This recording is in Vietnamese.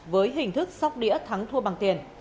với hình thức sóc đĩa thắng thua bằng tiền